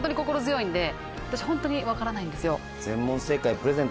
私ホントに分からないんですよ。